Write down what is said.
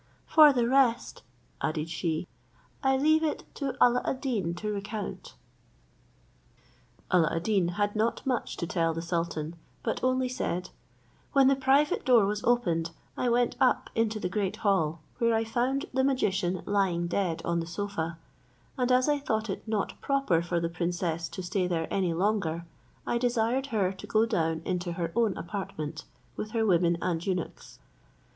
"For the rest," added she, "I leave it to Alla ad Deen to recount." Alla ad Deen had not much to tell the sultan, but only said, "When the private door was opened I went up into the great hall, where I found the magician lying dead on the sofa, and as I thought it not proper for the princess to stay there any longer, I desired her to go down into her own apartment, with her women and eunuchs.